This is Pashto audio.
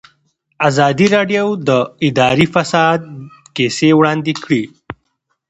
ازادي راډیو د اداري فساد کیسې وړاندې کړي.